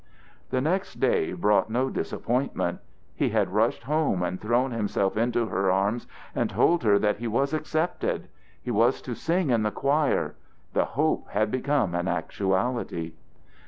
The next day brought no disappointment: he had rushed home and thrown himself into her arms and told her that he was accepted. He was to sing in the choir. The hope had become an actuality.